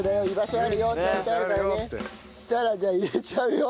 そしたらじゃあ入れちゃうよ。